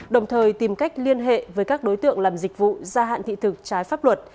đồng thời tìm cách liên hệ với các đối tượng làm dịch vụ gia hạn thị thực trái pháp luật